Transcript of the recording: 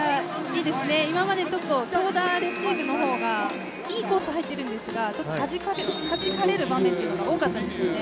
いいですね、今までコーナーレシーブの方がいいコース入っているんですがはじかれる場面が多かったんですよね。